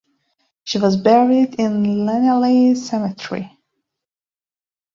She was buried in Llanelly Cemetery.